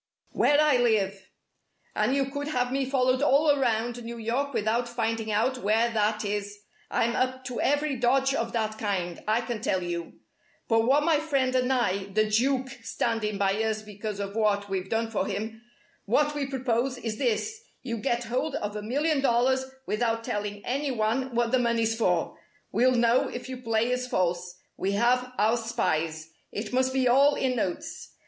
"Where I live. And you could have me followed all around New York without finding out where that is. I'm up to every dodge of that kind, I can tell you! But what my friend and I the Duke standing by us because of what we've done for him what we propose, is this: you get hold of a million dollars without telling any one what the money's for. We'll know if you play us false. We have our spies. It must be all in notes.